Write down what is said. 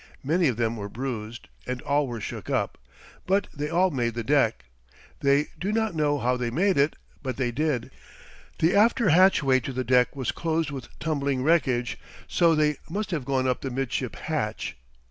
Many of them were bruised and all were shook up, but they all made the deck. They do not know how they made it, but they did. The after hatchway to the deck was closed with tumbling wreckage, so they must have gone up the midship hatch.